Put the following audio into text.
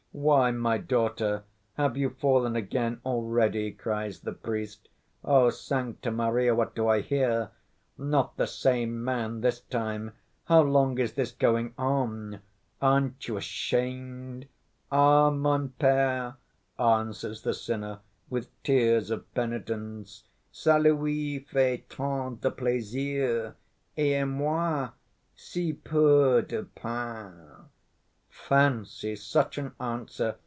'Why, my daughter, have you fallen again already?' cries the priest. 'O Sancta Maria, what do I hear! Not the same man this time, how long is this going on? Aren't you ashamed!' 'Ah, mon père,' answers the sinner with tears of penitence, 'ça lui fait tant de plaisir, et à moi si peu de peine!' Fancy, such an answer!